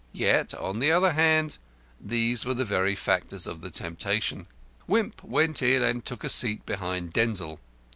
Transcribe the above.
Yet, on the other hand, these were the very factors of the temptation. Wimp went in and took a seat behind Denzil.